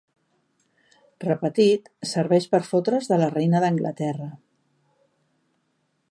Repetit, serveix per fotre's de la reina d'Anglaterra.